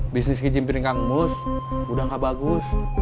bisnis kejimpring kang mus udah gak bagus